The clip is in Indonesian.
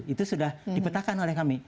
itu sudah dipetakan oleh kami